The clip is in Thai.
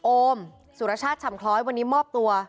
โอมสุรชาติฉ่ำคล้อยวันนี้มอบตัว